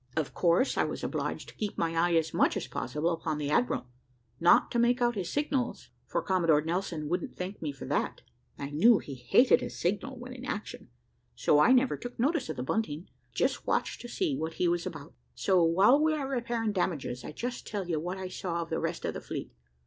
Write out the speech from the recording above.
Of course I was obliged to keep my eye as much as possible upon the admiral, not to make out his signals, for Commodore Nelson wouldn't thank me for that; I knew he hated a signal when in action, so I never took no notice of the bunting, but just watched to see what he was about. So while we are repairing damages, I'll just tell you what I saw of the rest of the fleet.